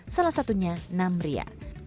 salah satunya namria